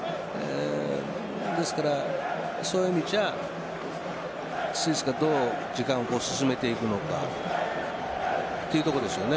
ですから、そういう意味じゃスイスがどう時間を進めていくのか。というところですよね。